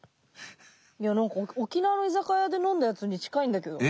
いや何か沖縄の居酒屋で飲んだやつに近いんだけど。